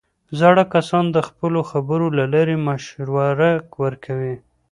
زاړه کسان د خپلو خبرو له لارې مشوره ورکوي